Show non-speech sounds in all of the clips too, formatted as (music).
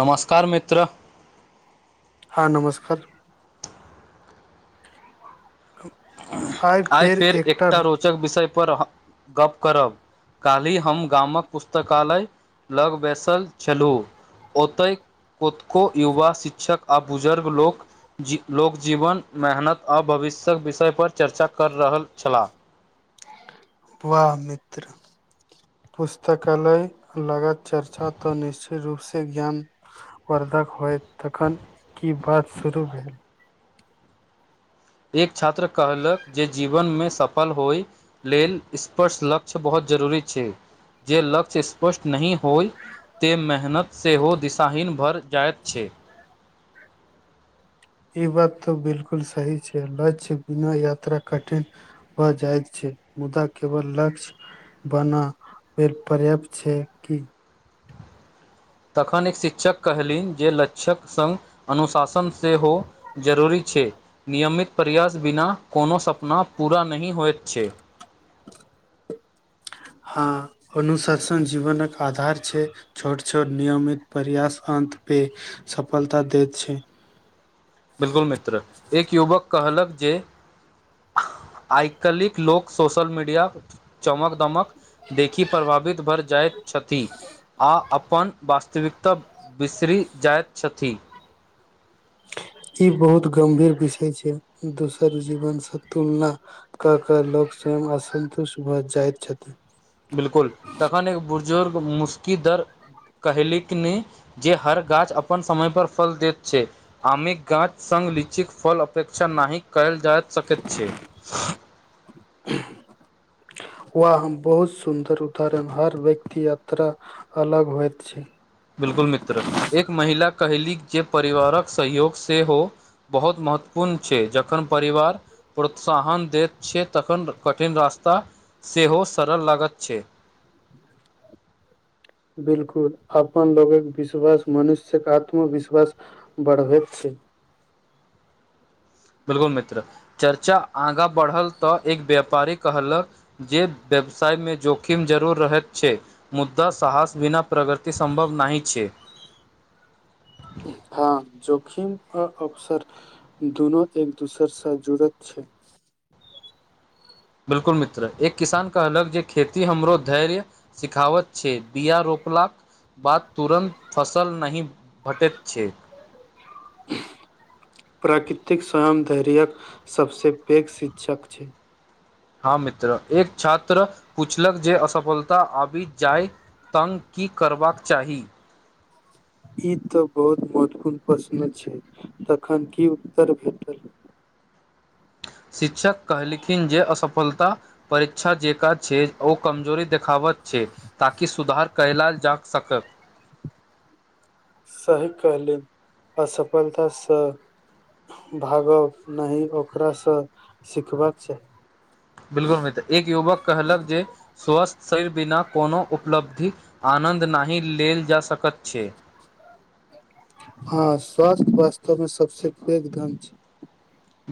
नमस्कार मित्र हँ नमस्कार ख (unintelligible) आइ फेर एकटा रोचक विषय पर गप करब काल्हि हम गामक पुस्तकालय लग बैसल छलहुँ ओतय कतको युवा शिक्षक आ बुजुर्ग लोक लोक जीवन मेहनत आ भविष्य विषय पर चर्चा कर कर रहल छलाह वाह मित्र (unintelligible) पुस्तकालय लगत चर्चा तऽ निश्चित रूपसँ ज्ञान वधि होइत तखन की बात शुरू भेल एक छात्र कहलक जे जीवनमे सफल होय लेल स्पश लक्ष्य बहुत जरूरी छै जे लक्ष्य स्पष्ट नहि होइ ते मेहनत सेहो दिशाहिन भय जाइत छैक ई बात तऽ बिलकुल सही छै लक्ष्य बिना यात्रा कठिन भ जायत छै मुद्दा केवल लक्ष्य बना पर्याप्त छै कि तखन एक शिक्षक कहलनि जे लक्षक सङ्ग अनुशासन सेहो जरूरी छै नियमित प्रयास बिना कोनो सपना पूरा नहि होइत छै (inaudible) (unintelligible) हँ अनुशासन जीवनक आधार छैक छोट छोट नियमित प्रयास अन पे सफलता दैत छै बिलकुल मित्र एक युवक कहलक जे आइकलिक लोक सोशल मीडिया चमक दमक देखि प्रभावित भय जाइत छथि आ अपन वास्तविकता बिसरि जाइत छथि (inaudible) ई बहुत गंभीर विषय छै दोसर जीवन से तुलना क केँ लोक सब म असल तऽ सुबह जाइत छथि त बिलकुल तखन एक बुजुर्ग मुस्की दर कहलक नहि जे हर गाछ अपन समय पर फल दैत छै आमक गाछ सब लीचीकेँ फल अपेक्षा नहि कयल जा सकैत छै (inaudible) वाह हम बहुत सुन्दर उदाहरण हर व्यक्ति यात्रा अलग होइत छैक बिलकुल मित्र एक महिला कहली जे परिवारक सहयोग से हो बहुत मन महत्वपूर्ण छै जखन परिवार प्रोत्साहन दैत छै तखन कठिन रास्ता सेहो सरल लागैत छै बिलकुल अपन लोकक विश्वास मनुष्यक आत्मविश्वास बढ़बैत छैक बिल्कुल मित्र चर्चा आगाँ बढ़ल तऽ एक व्यापारी कहलक जे व्यापार व्यवसायमे जोखिम जरूर रहैत छै मुदा साहस बिना प्रगति सम्भव नहि छैक (inaudible) (unintelligible) हँ जोखीम अ अवसर दुनु एक दोसर सँ जुड़त छै बिलकुल मित्र एक किसान कहलक जे खेती हमरो धैर्य सिखावत छैक बिया रोपलाक बाद तुरन्त फसल नहि भटैत छै प्रकी (unintelligible) तिक स्वयं धैर्य्यक सभसे पैघ शिक्षक छै हँ मित्र एक छात्र पूछलक जे असफलता आबि जाय तङ्ग की करबाक चाही ई तऽ बहुत महत्वपूर्ण प्रश्न छैक तखन की उत्तर भेटल (inaudible) (inaudible) शिक्षक कहलखिन जे असफलता परीक्षा जेकाँ छै ओ कमजोरी देखाब छै ताकि सुधार कयल जा सकत सही कहलिन असफलतासँ भागब नहि ओकरासँ सिखबाक चाही बिलकुल मित्र एक युवक कहलक जे स्वस्थ शरीर बिना कोनो उपलब्धि आनन्द नहि लेल जा सकैत छैक हँ स्वास्थ्य वास्तवमे सबसे पैघ धन छैक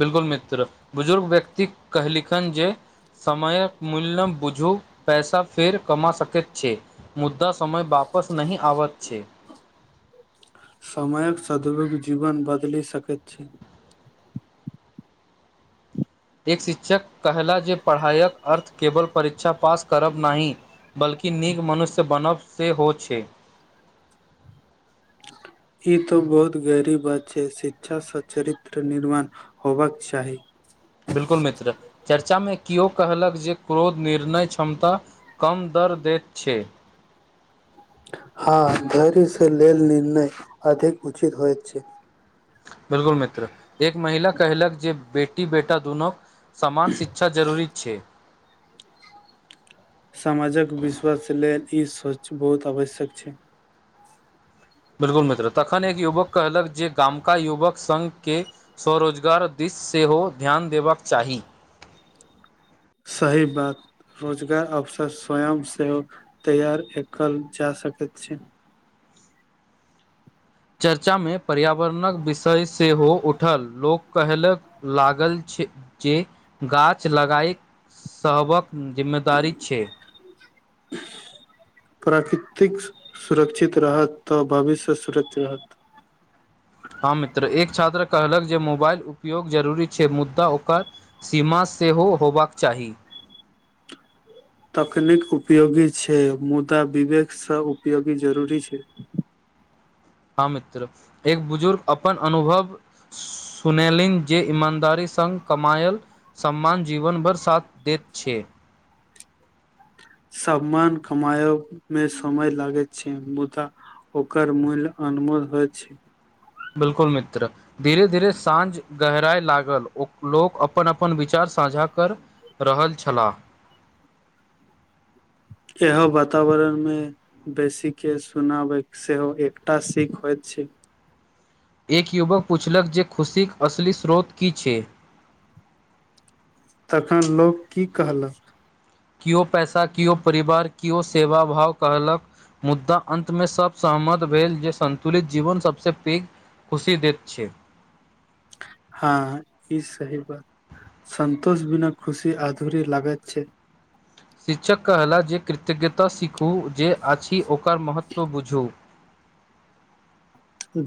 बिलकुल मित्र बुजुर्ग व्यक्ति कहलिखन जे समयक मूल्यमे बूझू पैसा फेर कमा सकैत छै मुद्दा समय वा पस नहि आबैत छै समयक सदभग जीवन बदलि सकैत छैक एक शिक्षक कहला जे पढ़ायक अर्थ केवल परीक्षा पास करब नहि बल्कि की नीक मनुष्य बनब सेहो छैक ई तऽ बहुत गहरा बात छै शिक्षासँ चरित्र निर्माण होबाक चाही बिल्कुल मित्र चर्चामे किओ कहलक जे क्रोध निर्णय क्षमता कम क दै कर दैत छैक हँ धैर्य से लेल निर्णय अधिक उचित होइत छैक बिलकुल मित्र एक महिला कहलक जे बेटी बेटा दुनो समान शिक्षा जरूरी छै समाजक विश्वास लेल ई सोच बहुत आवश्यक छै बिलकुल मित्र तखन एक युवक कहलक जे गामका युवक संघ के स्वरोजगार दिस सेहो ध्यान देबाक चाही सही बात रोजगार अवसर स्वयं सेहो तैयार एकल जा सकत छी चर्चा मे पर्यावरणक विषय सेहो उठल लोक कहलक लागल जे गाछ लगाएक सभक जिम्मेदारी छै (inaudible) प्राकृतिक सुरक्षित रहत तऽ भविष्य सुरक्षित रहत (inaudible) हँ मित्र एक छात्र कहलक जे मोबाइल उपयोग जरूरी छै मुद्दा ओकर सीमा सेहो होबाक चाही तकनीक उपयोगी छै मुदा विवेक स उपयोगी जरूरी छै (inaudible) हँ मित्र एक बुजुर्ग अपन अनुभव सुनेलनि जे ईमानदारी संग कमायल सम्मान जीवन भर साथ देत छै (inaudible) सम्मान कमायब मे समय लागैत छै मुदा ओकर मूल्य अनमो ल होइत छै बिलकुल मित्र धीरे धीरे साँझ गहराई लागल ओ लोक अपन अपन विचार साझा कर रहल छला एह वातावरणमे बेसीके सुनाबै सेहो एकटा सीख होइत छै एक युवक पुछलक जे खुशीक असली स्रोत की छै (inaudible) तखन लोक की कहलक किओ पैसा किओ परिवार किओ सेवा भाव कहलक मुद्दा अन्तमे सब सहमत भेल जे संतुलित जीवन सबसे पैघ खुशी देत छै हाँ ई सही बात सन्तोष बिना खुशी अधूरे लागैत छै शिक्षक कहला जे कृतज्ञता सिखू जे आछि ओकर महत्व बुझू (inaudible)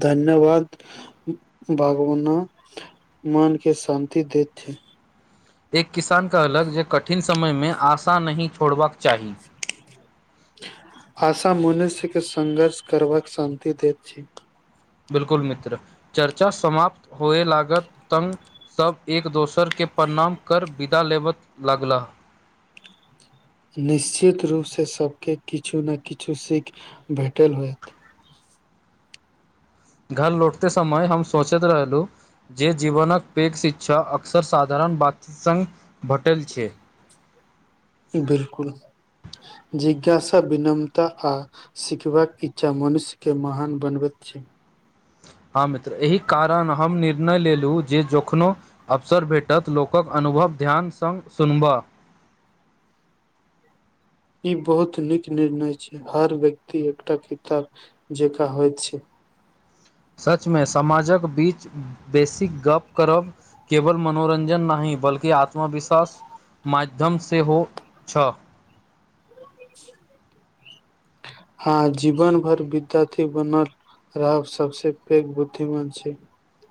धन्यवाद भगवना मान के शान्ति देथिन एक किसान कहलक जे कठिन समयमे आशा नहि छोड़बाक चाही आशा मनुष्यके संघर्ष करबाक शान्ति दैत छी बिल्कुल मित्र चर्चा समाप्त होए लागत तंग सब एक दोसरके प्रणाम कर विदा लेबय लगलाह निश्चित रूपसे सबके किछु ने किछु सीख भेटल होयत (inaudible) घर लौटते समय हम सोचैत रहलु जे जीवनक पैघ शिक्षा अक्सर साधारण बात संग भेटल छै बिल्कुल जिज्ञासा विनम्रता आ सिखबाक इच्छा मनुष्य के महान बनबैत (unintelligible) हाँ मित्र एहि कारण हम निर्णय लेलु जे जखनो अवसर भेटत लोकक अन अनुभव ध्यान संग सुनबह ई बहुत नीक निर्णय छै हर व्यक्ति एकटा किताब जकाँ होइत छै सचमे समाजक बीच बेसिक गप करब केवल मनोरंजन नाहि बल्कि आत्मविश्वास माध्यम सेहो हो छ (inaudible) हाँ जीवन भर विद्यार्थी बनल रह सबसू पैघ बुद्धिमान छै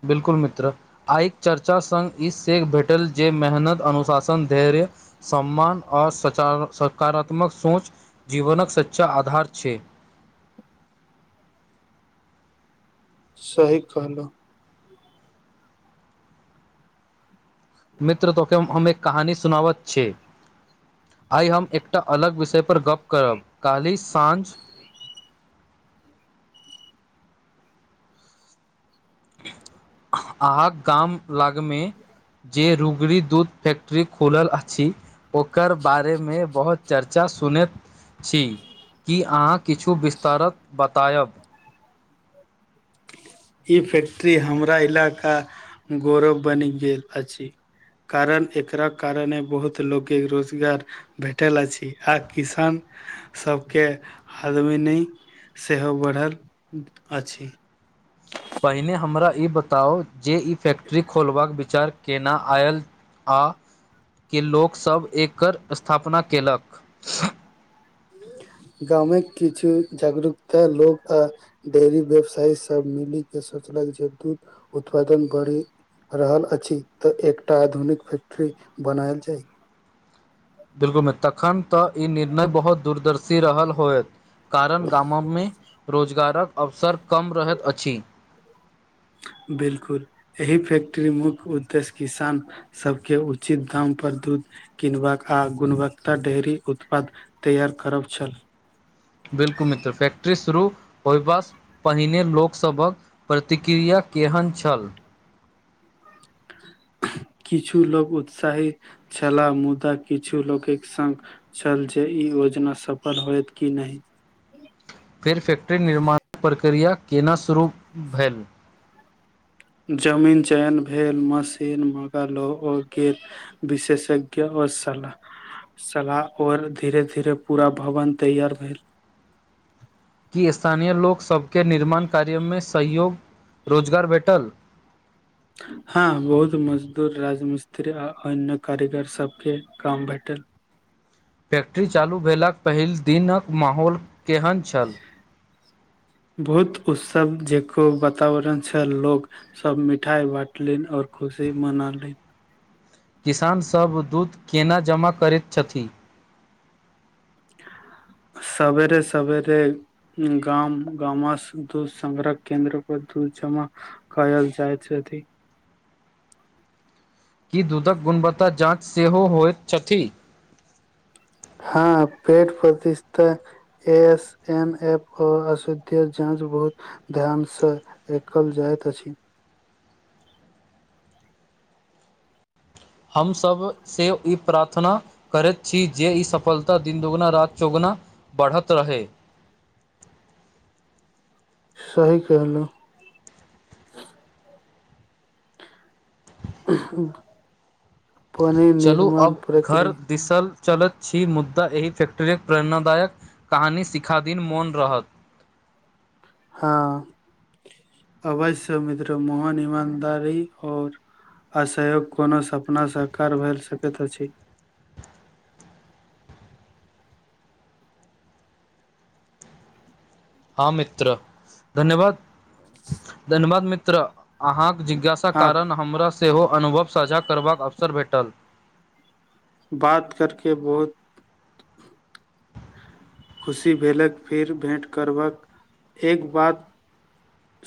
बिल्कुल मित्र आइके चर्चा संग ई सेख भेटल जे मेहनत अनुशासन धैर्य सम्मान ओर सचारक सकारात्मक सोच जीवनक सच्चा आधार छै (inaudible) सही कहलौ मित्र तो के हम एक कहानी सुनावैत छी आय हम एकटा अलग विषयपर गप करब काल्हि साँझ (inaudible) अहाँ गाम लगमे जे रुगरी दूध फैक्टरी खोल आ छी ओकर बारेमे बहुत चर्चा सुनैत छी कि अहाँ किछु विस्तार बतायब ई फैक्ट्री हमरा इलाका गौरव बनि गेल अछि कारण एकरा कारणे बहुत लोककेँ रोजगार भेटल अछि आ किसान सबके आमदनी सेहो बढ़ल अछि पहिने हमरा ई बताउ जे ई फैक्ट्री खोलबाक विचार केना आयल आ लोकसब एकर स्थापना कयलक (unintelligible) (unintelligible) गाममे किछु जागरूक लोग आ डेयरी व्यवसायी सब मिली के सोच लागै छै दूध उत्पादन बढ़ी रहल अछि तऽ एकटा आधुनिक फैक्ट्री बनायल जाय बिलकुल तखन तऽ ई निर्णय बहुत दूरदर्शी रहल होयत कारण गाममे मे रोजगारक अवसर कम रहैत अछि (inaudible) बिलकुल एहि फैक्ट्री मुख्य उद्देश्य किसान सबके उचित दाम पर दुध किनबाक आ गुणवत्ता डेयरी उत्पाद तैयार करब छल ह (unintelligible) बिल्कुल मित्र फैक्ट्री शुरू होयबासँ पहिने लोक सभक प्रतिक्रिया केहन छल (inaudible) किछु लोक उत्साहित छला मुदा किछु लोक संग छल जे ई योजना सफल होयत कि नइ (inaudible) फेर फैक्ट्री निर्माण प्रक्रिया केना शुरू भेल जमीन चयन भेल मशीन मंगायल गेल औके विशेषज्ञ आ सलाह सलाह और धीरे धीरे पूरा भवन तैयार भेल (inaudible) स्थानीय लोक सभके निर्माण कार्य में सहयोग रोजगार भेटल हँ बहुत मजदूर राजमिस्त्री आ अन्य कारीगर सबके काम भेटल त (unintelligible) फैक्ट्री चालू भेलाक पहिल दिनक माहौल केहन छल (inaudible) बहुत उत्सव जेकाँ वातावरण छल सब मिठाई बाटलनि और खुश से मनालै किसान सब दूध केना जमा करैत छथि (inaudible) सवेरे सवेरे गाम दूध संग्रह केन्द्र पर दु जमा कयल जाइत अछि ह (inaudible) की दुधक गुणवत्ता जाँच सेहो होइत छथि हँ पेथ प्रतिस्ठा एस एन एफ ओ असुद (unintelligible) के जाँच बहुत ध्यान से एकल जाइत अछि हमसभ से ई प्रार्थना करैत छी जे ई सफलता दिन दुगुना रात चौगुना बढ़त रहै सही कहलु पनि चलू निर्माण अब घर प्रक्रिया दिसल चलैत छी मुद्दा एहि फैक्ट्री प्रेरणादायक कहानी सिखा दीन मोन रहत (inaudible) हँ अवश्य मित्र मोहन ईमानदारी आओर असहयोग कोनो सपना सकार भेल सकैत अछि (inaudible) हँ मित्र धन्यवाद धन्यवाद मित्र अहाँ जिज्ञासा आप कारण हमरा सेहो अनुभव साझा करबाक अवसर भेटल बात करके बहुत खुशी भेलक फेर भेँट करबाक एक बात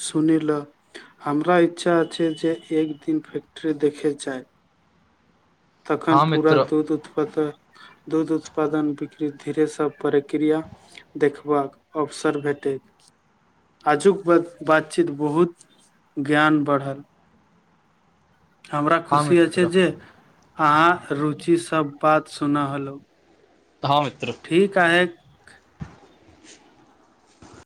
सुनि लऽ हमरा इच्छा छै जे एक दिन फैक्ट्ररी देखय जाइ तखन हँ पूरा मित्र दूध उत्पादन दूध उत्पादन धीरेसभ प्रक्रिया देखबाक अवसर भेटैत आजुक बात बातचीत बहुत ज्ञान बढ़ल हमरा हँ खुशी अछि मित्र जे अहाँ रुचि सब बात सुनऽ होलहु हँ मित्र ठीक ह